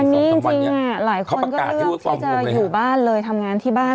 อันนี้จริงหลายคนก็เลือกที่จะอยู่บ้านเลยทำงานที่บ้าน